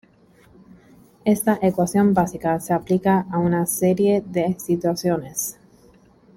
Esta ecuación básica se aplica a una serie de situaciones.